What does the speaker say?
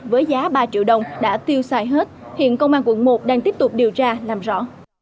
với giá ba triệu đồng đã tiêu xài hết hiện công an quận một đang tiếp tục điều tra làm rõ